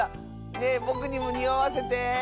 ねえぼくにもにおわせて！